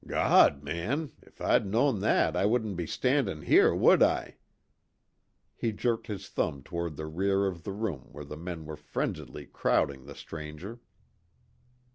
"God, man! If I know'd that I wouldn't be standin' here, would I?" He jerked his thumb toward the rear of the room where men were frenziedly crowding the stranger.